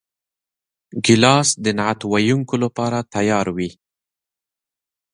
ګیلاس د نعت ویونکو لپاره تیار وي.